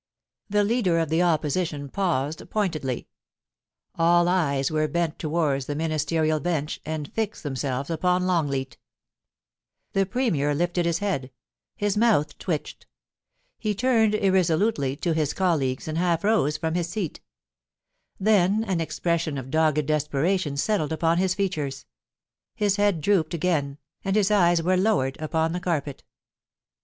The Leader of the Opposition paused pointedly. All eyes were bent towards the Ministerial bench, and fixed themselves upon Longleat The Premier lifted his head ; his mouth twitched ; he turned irresolutely to his colleagues, and half rose from his seat Then an expression of dogged desperation settled upon his features; his head drooped again, and his eyes were lowered upon the carpet.